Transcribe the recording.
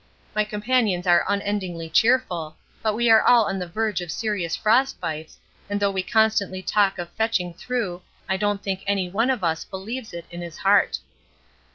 My companions are unendingly cheerful, but we are all on the verge of serious frostbites, and though we constantly talk of fetching through I don't think anyone of us believes it in his heart.